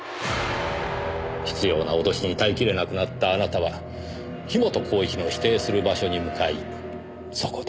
執拗な脅しに耐え切れなくなったあなたは樋本晃一の指定する場所に向かいそこで。